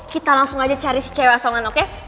kita langsung aja cari si cewek asongan oke